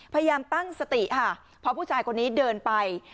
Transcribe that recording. พยายามตั้งสติค่ะพอผู้ชายคนนี้เดินไป